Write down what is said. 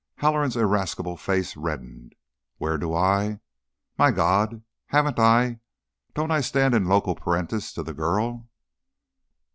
_" Halloran's irascible face reddened. '"Where do I '? My God! Haven't I ? Don't I stand in loco parentis to the girl?"